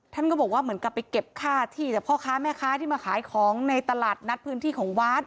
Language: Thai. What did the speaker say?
ท่านก็บอกว่าเหมือนกับไปเก็บค่าที่จากพ่อค้าแม่ค้าที่มาขายของในตลาดนัดพื้นที่ของวัด